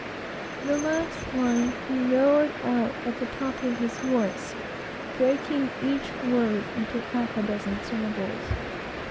The last line, being the conclusion, he roared out at the top of his voice, breaking each word up into half a dozen syllables.